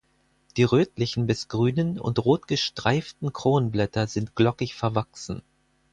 Die rötlichen bis grünen und rot gestreiften Kronblätter sind glockig verwachsen.